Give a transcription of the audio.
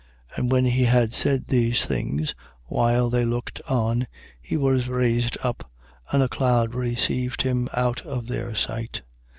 1:9. And when he had said these things, while they looked on, he was raised up: and a cloud received him out of their sight.